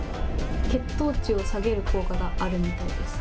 血糖値を下げる効果があるみたいです。